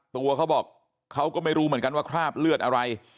เขาบอกเขาก็ไม่รู้เหมือนกันว่าคราบเลือดอะไร